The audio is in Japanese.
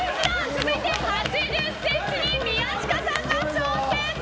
続いて８０ｃｍに宮近さんの挑戦。